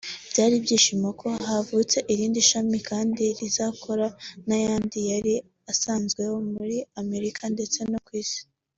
byari ibyishimo ko havutse irindi shami kandi rizakorana n’ayandi yari asanzweho muri Amerika ndetse no ku isi